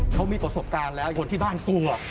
เขามีประสบการณ์แล้วคนที่บ้านกลัว